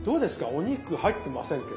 お肉入ってませんけど。